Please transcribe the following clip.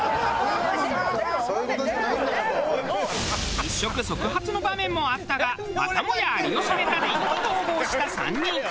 一触即発の場面もあったがまたもや有吉ネタで意気投合した３人。